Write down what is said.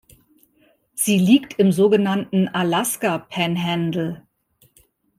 Sie liegt im sogenannten Alaska Panhandle.